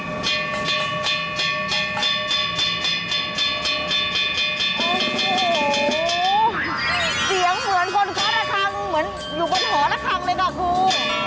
โอ้โหเสียงเหมือนคนคว้าระคังเหมือนอยู่บนหอระคังเลยค่ะครู